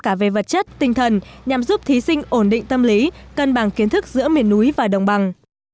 cả về vật chất tinh thần nhằm giúp thí sinh ổn định tâm lý cân bằng kiến thức giữa miền núi và đồng bằng